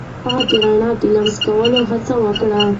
هغه د رڼا د لمس کولو هڅه وکړه.